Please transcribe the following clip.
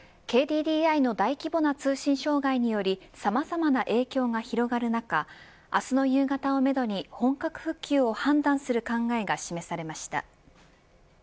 ＫＤＤＩの大規模な通信障害によりさまざまな影響が広がる中明日の夕方をめどに本格復旧を判断する考えが示されました。